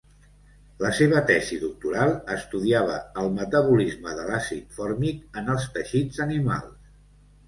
La seva tesi doctoral estudiava el metabolisme de l'àcid fòrmic en els teixits animals.